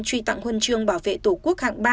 truy tặng huân chương bảo vệ tổ quốc hạng ba